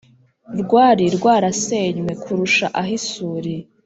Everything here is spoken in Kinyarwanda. rwari rwarasenywe kurusha ah’isuri